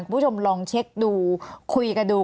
คุณผู้ชมลองเช็คดูคุยกันดู